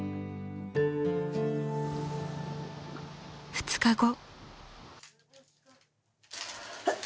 ［２日後］